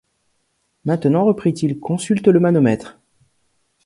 Maintenant, reprit-il, consulte le manomètre.